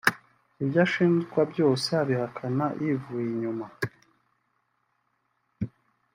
Ibyo ashinjwa byose abihakana yivuye inyuma